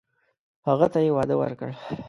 هغه ته یې ډاډ ورکړ !